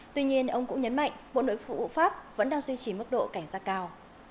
tuy nhiên ông cũng nhấn mạnh bộ nội vũ pháp vẫn đang duy trì mức độ cảnh sát cao